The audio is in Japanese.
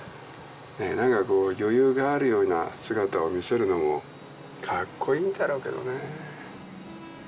何かこう余裕があるような姿を見せるのもかっこいいんだろうけどねぇ